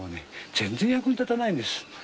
全然、役に立たないんです。